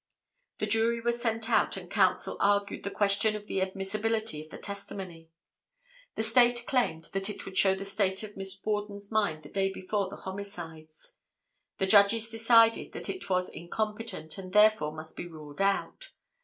The Jury was sent out and counsel argued the question of the admissibility of the testimony. The State claimed that it would show the state of Miss Borden's mind the day before the homicides. The Judges decided that it was incompetent and therefore must be ruled out.